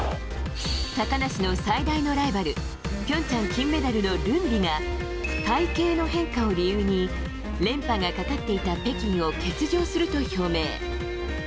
高梨の最大のライバル平昌金メダルのルンビが体型の変化を理由に連覇がかかっていた北京を欠場すると表明。